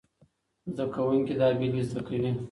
زده کوونکي دا بېلګې زده کوي.